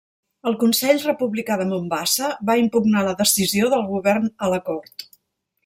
El Consell Republicà de Mombasa va impugnar la decisió del govern a la cort.